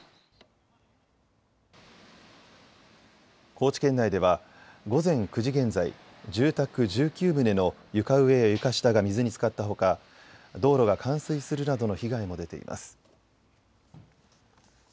高知県内では午前９時現在、住宅１９棟の床上や床下が水につかったほか、道路が冠水するなどの被害も出ています。